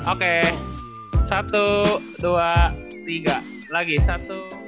oke satu dua tiga lagi satu